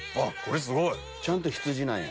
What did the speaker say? ちゃんと羊なんや。